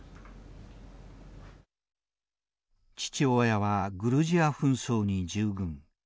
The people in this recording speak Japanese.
父親はグルジア紛争に従軍。